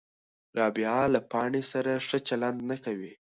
رابعه له پاڼې سره ښه چلند نه کوي.